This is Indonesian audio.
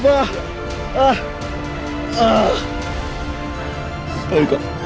kami kecelakaan pak